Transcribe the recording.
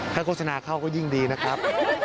ถ้าโฆษณาเข้าก็ยิ่งดีนะครับ